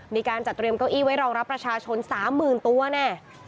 มีการจัดเตรียมเก้าอี้ไว้รองรับประชาชน๓๐๐๐ตัวแน่